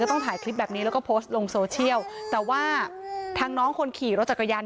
ต้องถ่ายคลิปแบบนี้แล้วก็โพสต์ลงโซเชียลแต่ว่าทางน้องคนขี่รถจักรยาน